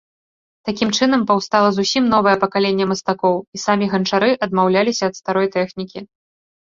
Такім чынам, паўстала зусім новае пакаленне мастакоў, і самі ганчары адмаўляліся ад старой тэхнікі.